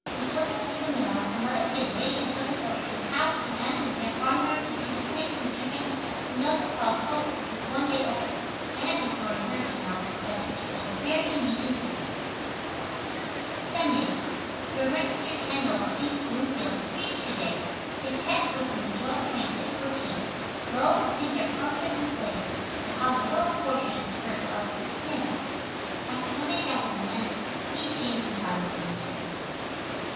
He took us through the mill and let us get weighed and took us over to his house and out into the barn yard to see the pigs and chickens and we also saw a colt which was one day old. Anna just wrote in her journal that "it was a very amusing site." Sunday. Rev. Mr. Kendall, of East Bloomfield, preached to day. His text was from Job 26, 14: "Lo these are parts of his ways, but how little a portion is heard of him." I could not make out what he meant. He is James' and John's minister.